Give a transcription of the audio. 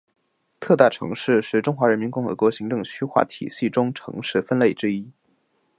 特大城市是中华人民共和国行政区划体系中城市分类之一。